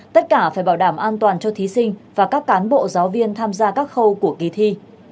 tất cả phải bảo đảm an toàn cho thí sinh và các cán bộ giáo viên tham gia các khâu của kỳ thi